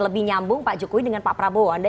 lebih nyambung pak jokowi dengan pak prabowo anda